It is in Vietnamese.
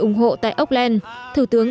ủng hộ tại auckland thủ tướng